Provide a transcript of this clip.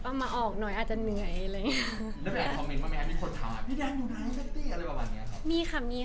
เพราะทำอย่างแหละคุณออกเรื่องรักดายเนี่ย